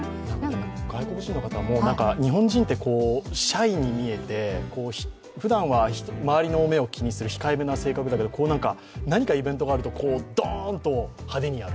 外国人の方も日本人ってシャイに見えて、ふだんは周りの目を気にする控えめな性格だけど、何かイベントがあるとドーンと派手にやる。